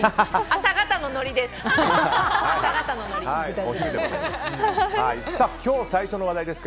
朝方のノリです。